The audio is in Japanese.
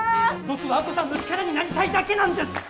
僕は亜子さんの力になりたいだけなんです！